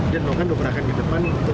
dan melakukan dobrakan ke depan